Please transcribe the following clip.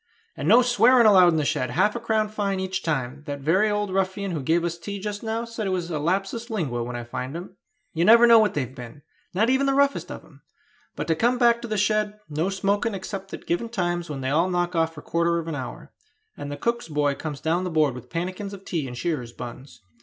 " and no swearing allowed in the shed; half a crown fine each time; that very old ruffian who gave us tea just now said it was a lapsus lingua when I fined him! You never know what they've been, not even the roughest of them. But to come back to the shed: no smoking except at given times when they all knock off for quarter of an hour, and the cook's boy comes down the board with pannikins of tea and shearers' buns.